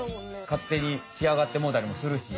かってにひあがってもうたりもするし。